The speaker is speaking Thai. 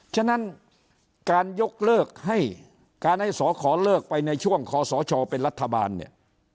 ฉะนั้นการยกเลิกให้การให้สอขอเลิกไปในช่วงคอสชเป็นรัฐบาลเนี่ย